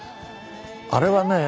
あれはね